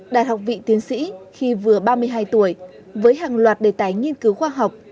đạt học vị tiến sĩ khi vừa ba mươi hai tuổi với hàng loạt đề tài nghiên cứu khoa học